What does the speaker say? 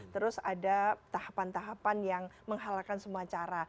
terus ada tahapan tahapan yang menghalakan semua cara